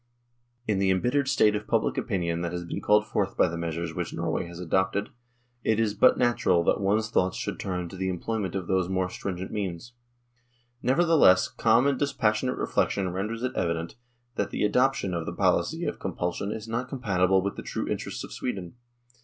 In the embittered state of public opinion that has been called forth by the measures which Norway has adopted it is but natural that one's thoughts should turn to the employment of those more stringent means. Nevertheless, calm and dis passionate reflection renders it evident that the adop tion of the policy of compulsion is not compatible with the true interests of Sweden.